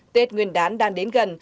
tết nguyên đán đang đến gần